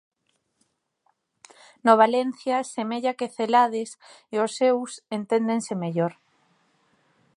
No Valencia semella que Celades e os seus enténdense mellor.